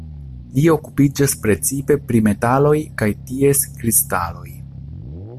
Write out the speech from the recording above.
Li okupiĝas precipe pri metaloj kaj ties kristaloj.